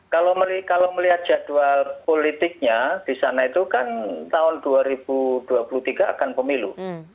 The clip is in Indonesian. kalau melihat jadwal politiknya di sana itu kan tahun dua ribu dua puluh tiga akan pemilu